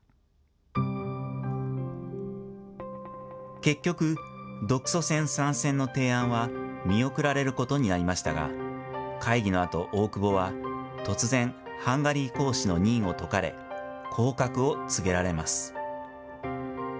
結局、独ソ戦参戦の提案は見送られることになりましたが、会議のあと、大久保は突然、ハンガリー公使の任を解かれ、降格を告げられます。